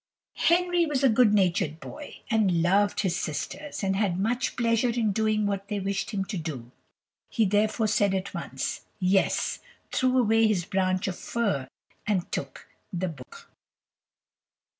Henry was a good natured boy, and loved his sisters, and had much pleasure in doing what they wished him to do; he therefore said at once, "Yes," threw away his branch of fir, and took the book.